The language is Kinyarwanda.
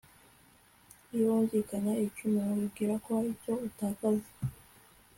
iyo wungikanya ibicumuro, wibwira ko hari icyo itakaza